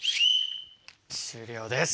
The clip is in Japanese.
終了です。